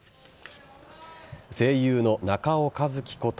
声優の中尾一貴こと